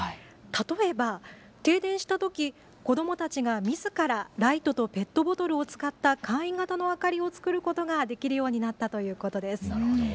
例えば停電したとき子どもたちがみずからライトとペットボトルを使った簡易型の明かりを作ることができるようになったということです。